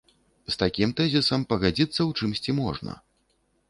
З такім тэзісам пагадзіцца ў чымсьці можна.